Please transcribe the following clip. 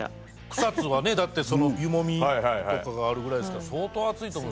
草津はねだって湯もみとかがあるぐらいですから相当熱いと思うんです。